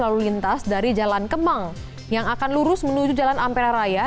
dan arus lalu lintas dari jalan kemang yang akan lurus menuju jalan ampera raya